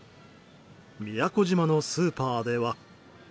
宮古島のスーパーでは。